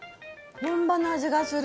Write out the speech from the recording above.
本場の味がする。